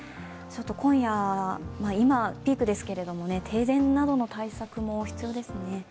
今夜、今がピークですけれども停電などの対策も必要ですよね。